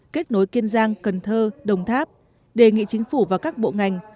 kết nối kiên giang cần thơ đồng tháp đề nghị chính phủ và các bộ ngành